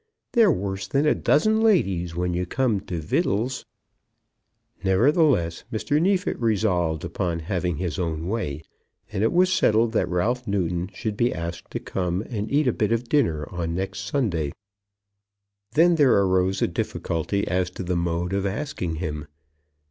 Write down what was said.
They're worse than a dozen ladies when you come to vittels." Nevertheless Mr. Neefit resolved upon having his own way, and it was settled that Ralph Newton should be asked to come and eat a bit of dinner on next Sunday. Then there arose a difficulty as to the mode of asking him.